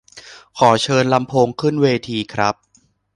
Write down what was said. ขอเชิญลำโพงขึ้นเวทีครับ